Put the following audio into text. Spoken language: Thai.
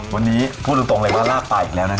วันนี้พูดตรงเลยว่าราบตายอีกแล้วนะครับ